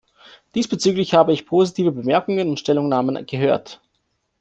Diesbezüglich habe ich positive Bemerkungen und Stellungnahmen gehört.